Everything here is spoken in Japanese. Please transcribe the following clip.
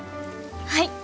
はい！